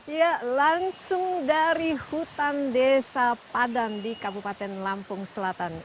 ya langsung dari hutan desa padan di kabupaten lampung selatan